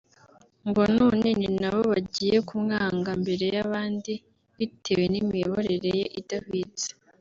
ngo none ni nabo bagiye kumwanga mbere y’abandi bitewe n’imiyoborere ye idahwitse